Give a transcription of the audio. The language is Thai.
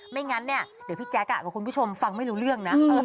ไม่งั้นเนี่ยเดี๋ยวพี่แจ๊คกับคุณผู้ชมฟังไม่รู้เรื่องนะ